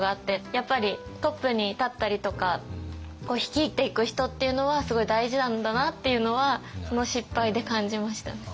やっぱりトップに立ったりとか率いていく人っていうのはすごい大事なんだなっていうのはその失敗で感じましたね。